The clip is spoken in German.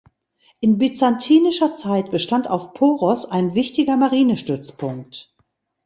In byzantinischer Zeit bestand auf Poros ein wichtiger Marinestützpunkt.